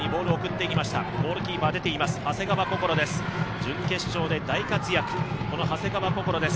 準決勝で大活躍、この長谷川想です